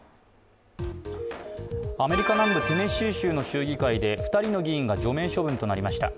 アメリカ南部テネシー州の州議会で２人の議員が除名処分となりました